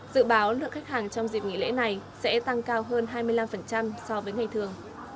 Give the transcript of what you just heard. dự báo lượng khách hàng trong dịp nghỉ lễ này sẽ tăng cao hơn hai mươi năm so với ngày thường